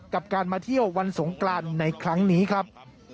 กับการมาเที่ยววันสงกรานในครั้งนี้ครับ